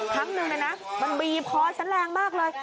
ครั้งหนึ่งนะนะมันบีบคอฉันแรงมากเลย